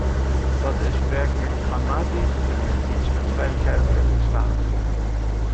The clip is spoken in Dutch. Dat is werkelijk dramatisch en heeft niets met veiligheid uit te staan.